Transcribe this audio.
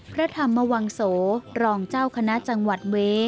พระธรรมวังโสรองเจ้าคณะจังหวัดเว